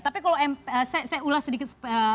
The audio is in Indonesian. tapi kalau saya ulas sedikit